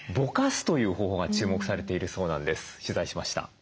取材しました。